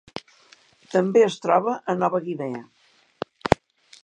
També es troba a Nova Guinea.